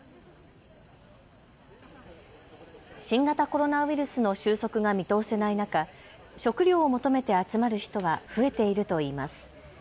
新型コロナウイルスの収束が見通せない中、食料を求めて集まる人は増えているといいます。